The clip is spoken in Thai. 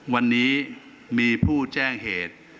วันนี้มีผู้แจ้งเหตุ